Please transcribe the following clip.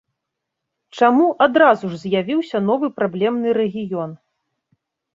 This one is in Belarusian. Чаму адразу ж з'явіўся новы праблемны рэгіён?